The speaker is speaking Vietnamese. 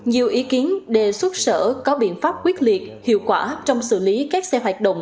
nhiều ý kiến đề xuất sở có biện pháp quyết liệt hiệu quả trong xử lý các xe hoạt động